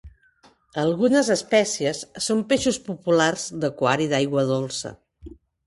Algunes espècies són peixos populars d'aquari d'aigua dolça.